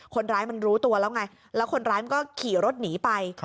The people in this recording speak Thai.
คนร้ายมันรู้ตัวแล้วไงแล้วคนร้ายมันก็ขี่รถหนีไป